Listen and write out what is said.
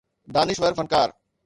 دانشور فنڪار